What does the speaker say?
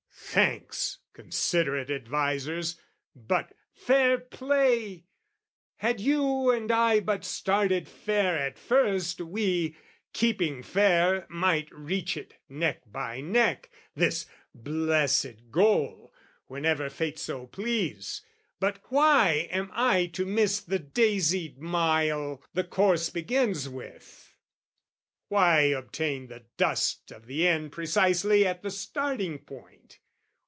Thanks, Considerate advisers, but, fair play! Had you and I but started fair at first We, keeping fair, might reach it, neck by neck, This blessed goal, whenever fate so please: But why am I to miss the daisied mile The course begins with, why obtain the dust Of the end precisely at the starting point?